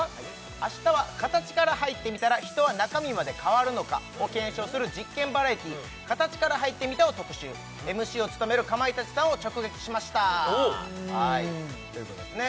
明日は形から入ってみたら人は中身まで変わるのか？を検証する実験バラエティー「形から入ってみた」を特集ＭＣを務めるかまいたちさんを直撃しましたということですね